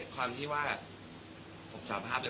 ก็มีร่างกายกว่าผมด้วย